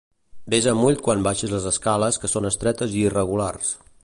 Vés amb ull quan baixis les escales que són estretes i irregulars.